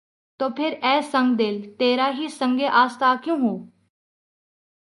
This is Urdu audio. تو پھر‘ اے سنگ دل! تیرا ہی سنگِ آستاں کیوں ہو؟